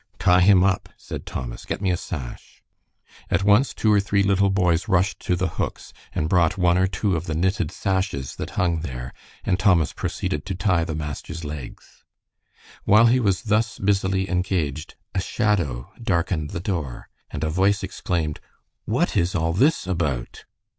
"Tie him up," said Thomas. "Get me a sash." At once two or three little boys rushed to the hooks and brought one or two of the knitted sashes that hung there, and Thomas proceeded to tie the master's legs. While he was thus busily engaged, a shadow darkened the door, and a voice exclaimed, "What is all this about?"